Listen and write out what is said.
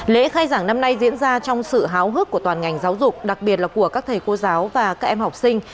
lễ khai giảng năm nay diễn ra trong sự háo hức của toàn ngành giáo dục đặc biệt là của các thầy cô giáo và các em học sinh